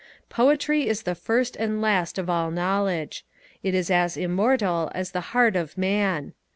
Poetry is the first and last of all knowledge it is as immortal as the heart of man.